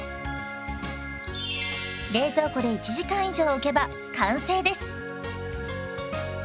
冷蔵庫で１時間以上おけば完成です。